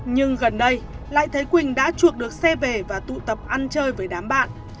nhưng gần đây lại thấy quỳnh đã chuộc được xe về và tụ tập ăn chơi với đám bạn